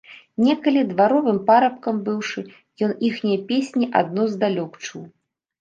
Некалі, дваровым парабкам быўшы, ён іхнія песні адно здалёк чуў.